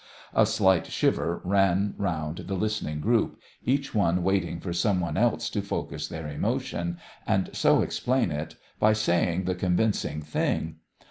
A slight shiver ran round the listening group, each one waiting for some one else to focus their emotion, and so explain it by saying the convincing thing.